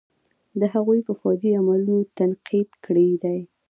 د هغوئ په فوجي عملونو تنقيد کړے دے.